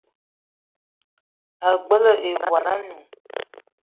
Ag͡bela ibwal anoun